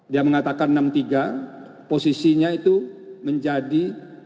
dia mengatakan enam tiga posisinya itu menjadi tujuh satu